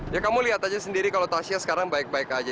ya kamu lihat aja sendiri kalau tasya sekarang baik baik aja